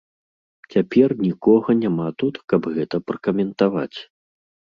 Цяпер нікога няма тут, каб гэта пракаментаваць.